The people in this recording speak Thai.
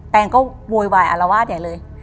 แปงก็โวยวายอารวาสอย่างนี้เลย